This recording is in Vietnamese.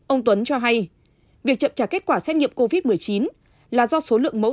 ông tuấn cho hay việc chậm trả kết quả xét nghiệm covid một mươi chín là do số lượng mẫu